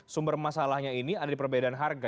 sumber masalahnya ini ada di perbedaan harga